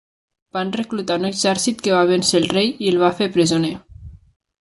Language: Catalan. Van reclutar un exèrcit que va vèncer el rei i el va fer presoner.